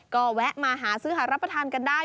ก็แวะมาหาซื้อหารับประทานกันได้